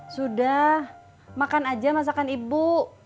sudah makan aja masakan ibu